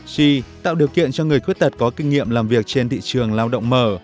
c tạo điều kiện cho người khuyết tật có kinh nghiệm làm việc trên thị trường lao động mở